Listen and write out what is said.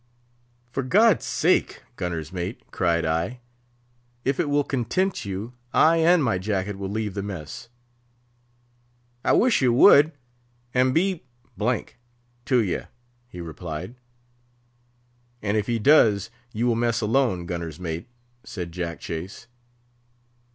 "For God's sake, gunner's mate," cried I, "if it will content you, I and my jacket will leave the mess." "I wish you would, and be —— to you!" he replied. "And if he does, you will mess alone, gunner's mate," said Jack Chase.